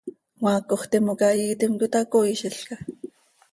¿Cmaacoj timoca iiitim cöitacooizilca?